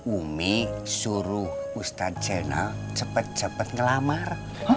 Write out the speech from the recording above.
umi suruh ustadz jenal cepat cepat ngelamar